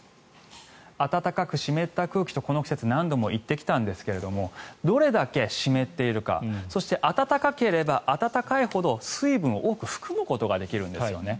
暖かく湿った空気とこの季節何度も言ってきたんですがどれだけ湿っているかそして暖かければ暖かいほど水分を多く含むことができるんですね。